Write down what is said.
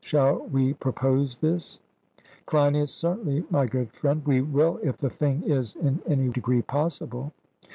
Shall we propose this? CLEINIAS: Certainly, my good friend, we will if the thing is in any degree possible.